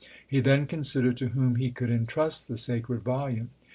He then considered to whom he could entrust the sacred volume.